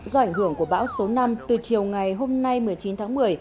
do ảnh hưởng của bão số năm từ chiều ngày hôm nay một mươi chín tháng một mươi